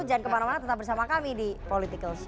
jangan kemana mana tetap bersama kami di politikalshow